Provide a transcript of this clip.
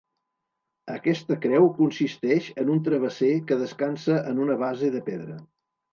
Aquesta creu consisteix en un travesser que descansa en una base de pedra.